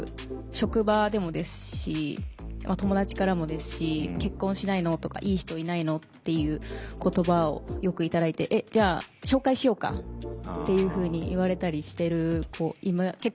職場でもですし友達からもですし「結婚しないの？」とか「いい人いないの？」っていう言葉をよく頂いて「じゃあ紹介しようか？」っていうふうに言われたりしてる子結構いますね。